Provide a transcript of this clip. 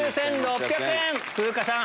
風花さん